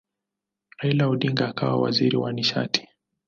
Raila Odinga akawa waziri wa nishati.